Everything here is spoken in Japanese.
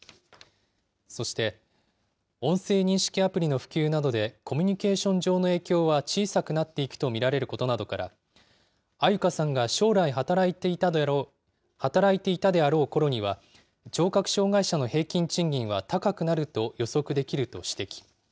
そして、音声認識アプリの普及などでコミュニケーション上の影響は小さくなっていくと見られることなどから、安優香さんが将来働いていたであろうころには、聴覚障害者の平均賃金は高くなると予測できると指摘。